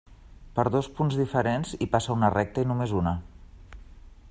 Per dos punts diferents hi passa una recta i només una.